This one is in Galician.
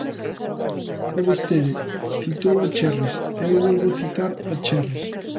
E vostede citou a Cherres e eu volvo citar a Cherres.